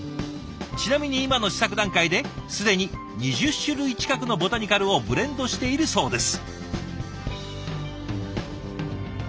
ちなみに今の試作段階で既に２０種類近くのボタニカルをブレンドしているそうです。